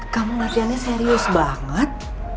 kamu latihannya serius banget